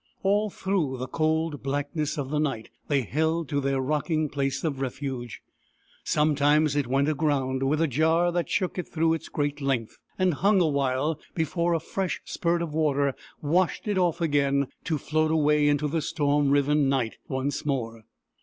All through the cold blackness of the night they held to their rocking place of refuge. Some times it went aground, with a jar that shook it through its great length, and hung awhile before a fresh spurt of water washed it off again, to float away into the storm riven night once more.